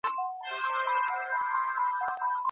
لويې جرګي به د کليو او ښارونو د نښلولو پلان تاييد کړی وي.